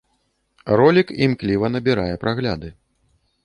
Ролік імкліва набірае прагляды.